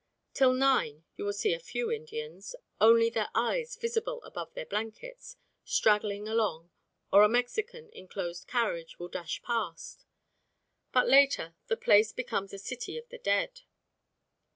Till nine you will see a few Indians, only their eyes visible above their blankets, straggling along, or a Mexican in closed carriage will dash past. But later the place becomes a city of the dead.